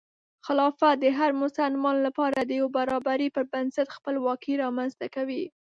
خلافت د هر مسلمان لپاره د یو برابري پر بنسټ خپلواکي رامنځته کوي.